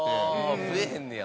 ああ増えへんねや。